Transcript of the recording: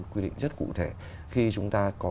quy định rất cụ thể khi chúng ta có